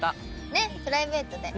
ねっプライベートで。